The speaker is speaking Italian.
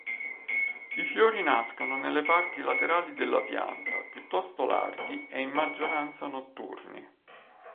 I fiori nascono nelle parti laterali della pianta, piuttosto larghi e in maggioranza notturni.